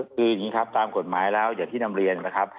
คืออย่างนี้ครับตามกฎหมายแล้วอย่างที่นำเรียนนะครับ